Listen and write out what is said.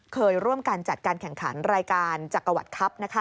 เคยร่วมกันจัดการแข่งขันรายการจักรวรรดิครับ